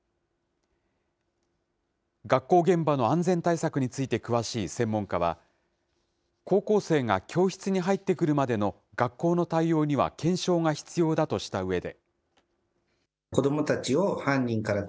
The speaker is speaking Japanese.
学校現場の安全対策について詳しい専門家は、高校生が教室に入ってくるまでの学校の対応には検証が必要だとしたうえで。